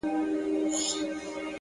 اراده د ستونزو له منځه لارې باسي,